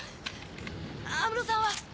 安室さんは？